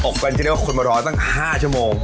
กันที่เรียกว่าคนมารอตั้ง๕ชั่วโมง